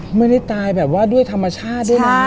ไม่ได้ตายแบบว่าด้วยธรรมชาติด้วยนะ